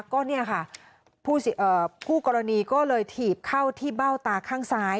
ก็เนี่ยค่ะคู่กรณีก็เลยถีบเข้าที่เบ้าตาข้างซ้าย